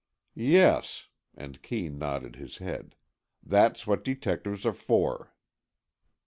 "Yes," and Kee nodded his head, "that's what detectives are for."